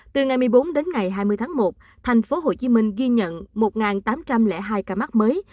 từ ngày một mươi bốn đến ngày hai mươi tháng một thành phố hồ chí minh ghi nhận một tám trăm linh hai ca mắc mới